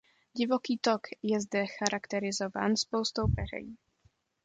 Divoký tok je zde charakterizován spoustou peřejí.